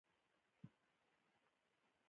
خو پۀ سترګو کښې ناامېدې ځلېده ـ